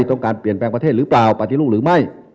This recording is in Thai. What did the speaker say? ต้องการเปลี่ยนแปลงประเทศหรือเปล่าปฏิรูปหรือไม่